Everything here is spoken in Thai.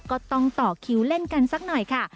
ก็ต้องต่อคิวเล่นกันสักหน่อยค่ะ